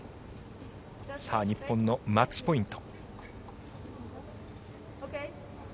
日本のマッチポイント。